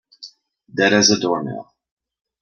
Dead as a doornail